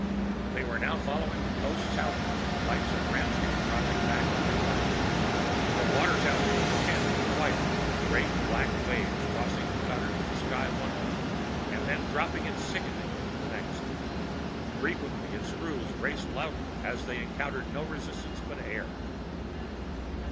They were now following the coast southward, the lights of Ramsgate dropping back on their right. The waters out here in the Channel were wilder, great black waves tossing the cutter to the sky one moment, and then dropping it sickeningly the next. Frequently its screws raced loudly as they encountered no resistance but air.